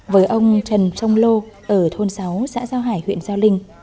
với ông trần trong lô ở thôn sáu xã giao hải huyện giao linh